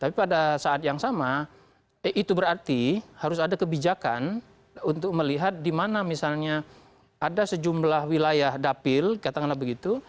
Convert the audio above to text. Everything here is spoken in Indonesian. karena pada saat yang sama itu berarti harus ada kebijakan untuk melihat di mana misalnya ada sejumlah wilayah dapil katakanlah begitu